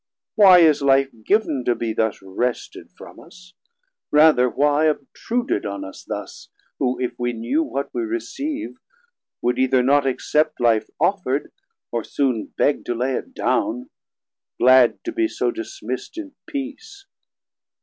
Why is life giv'n To be thus wrested from us? rather why 500 Obtruded on us thus? who if we knew What we receive, would either not accept Life offer'd, or soon beg to lay it down, Glad to be so dismist in peace.